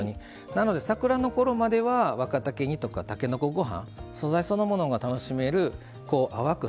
なので桜のころまでは若竹煮とかたけのこごはん素材そのものが楽しめる淡く